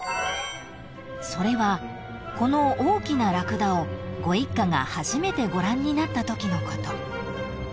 ［それはこの大きなラクダをご一家が初めてご覧になったときのこと］